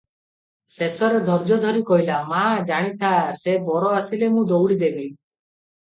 ଶେଷରେ ଧୈର୍ଯ୍ୟ ଧରି କହିଲା, "ମା, ଜାଣିଥା- ସେ ବର ଆସିଲେ ମୁଁ ଦଉଡ଼ି ଦେବି ।"